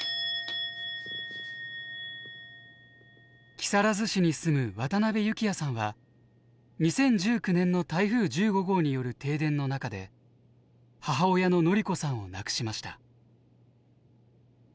木更津市に住む渡邉幸也さんは２０１９年の台風１５号による停電の中で母親の典子さんを亡くしました。